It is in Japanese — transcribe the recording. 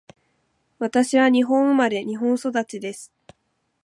私は日本生まれ、日本育ちです。